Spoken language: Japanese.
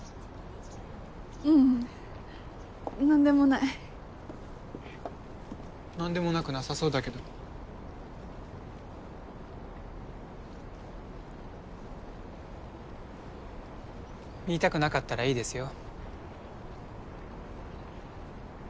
ううん何でもない何でもなくなさそうだけど言いたくなかったらいいですよ